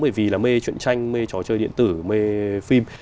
bởi vì là mê chuyện tranh mê trò chơi điện tử mê phim